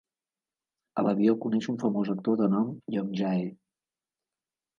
A l'avió coneix un famós actor de nom Young-jae.